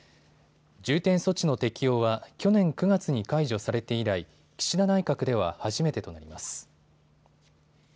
重点措置の適用は去年９月に解除されて以来、岸田内閣では初めてとなります。